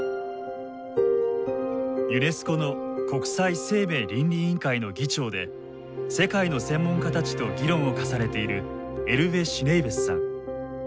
ユネスコの国際生命倫理委員会の議長で世界の専門家たちと議論を重ねているエルヴェ・シュネイベスさん。